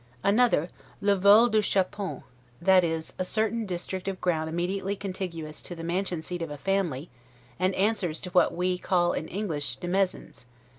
Another, 'Le vol du Chapon, that is, a certain district of ground immediately contiguous to the mansion seat of a family, and answers to what we call in English DEMESNES.